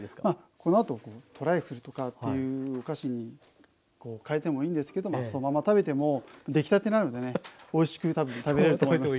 このあとトライフルとかっていうお菓子に変えてもいいんですけどそのまま食べても出来たてなのでねおいしく多分食べれると思います。